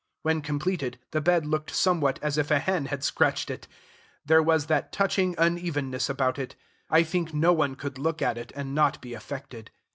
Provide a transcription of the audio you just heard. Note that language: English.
When completed, the bed looked somewhat as if a hen had scratched it: there was that touching unevenness about it. I think no one could look at it and not be affected.